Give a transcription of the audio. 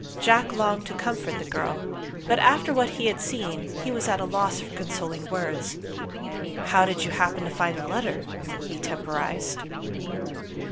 Jack longed to comfort the girl; but after what he had seen, he was at a loss for consoling words. "How did you happen to find the letter?" he temporized.